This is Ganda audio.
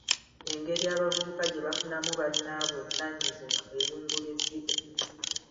Engeri abavubuka gye bafunamu “bannaabwe” ensangi zino eyungula ezziga.